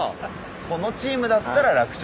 このチームだったら楽勝。